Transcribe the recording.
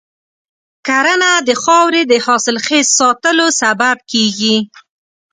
کرنه د خاورې د حاصلخیز ساتلو سبب کېږي.